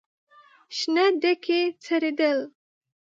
شنه ډکي ځړېدل.